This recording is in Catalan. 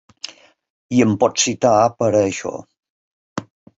I em pots citar per a això.